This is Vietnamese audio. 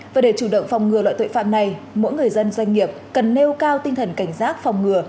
và để chủ động phòng ngừa loại tội phạm này mỗi người dân doanh nghiệp cần nêu cao tinh thần cảnh giác phòng ngừa